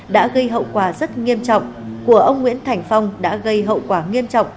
hai nghìn một mươi sáu hai nghìn hai mươi một đã gây hậu quả rất nghiêm trọng của ông nguyễn thành phong đã gây hậu quả nghiêm trọng